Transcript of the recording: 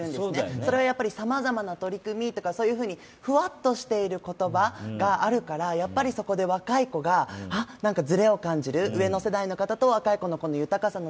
それは「さまざまな取り組み」とかふわっとしている言葉があるからそこで若い子がなんかずれを感じる、上の世代の方と若い子の豊かさで